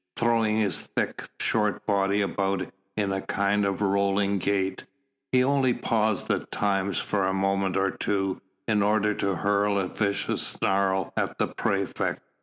Throwing his thick, short body about in a kind of rolling gait, he only paused at times for a moment or two in order to hurl a vicious snarl at the praefect.